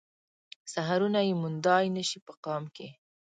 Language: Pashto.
سحرونه يې موندای نه شي په قام کې